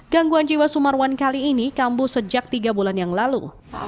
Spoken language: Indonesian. gangguan jiwa sumarwan kali ini kambuh sejak tiga bulan yang lalu